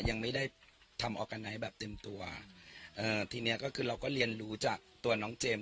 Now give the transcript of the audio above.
ยังไม่ได้ทำออร์กาไนท์แบบเต็มตัวเอ่อทีเนี้ยก็คือเราก็เรียนรู้จากตัวน้องเจมส์